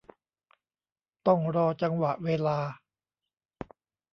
ต้องรอจังหวะเวลา